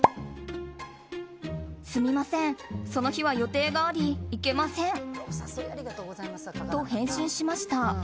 すみません、その日は予定があり行けませんと返信しました。